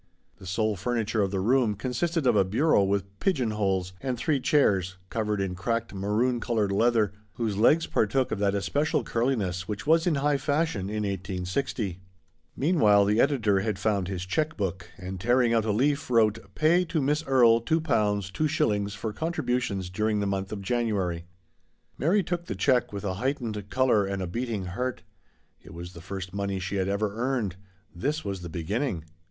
The sole furniture of the room consisted of a bureau with pigeon holes, and three chairs covered in cracked maroon coloured leather, whose legs partook of that especial curliness which was in high fashion in 1860. Meanwhile, the editor had found his check book, and tearing out a leaf, wrote: " Pay to Miss Erie two pounds two shillings for contributions during the month of March" Mary took the check with a heightened colour and a beating heart. It was the first money she had ever earned. This was the beginning.